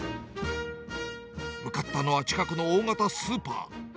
向かったのは近くの大型スーパー。